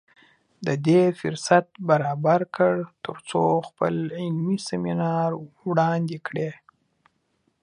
د دې فرصت برابر کړ تر څو خپل علمي سیمینار وړاندې کړي